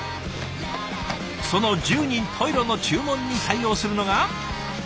その十人十色の注文に対応するのが。